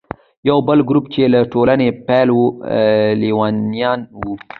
یو بل ګروپ چې له ټولنې بېل و، لیونیان وو.